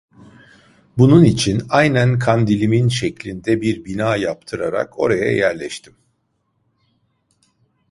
Bunun için, aynen kandilimin şeklinde bir bina yaptırarak oraya yerleştim.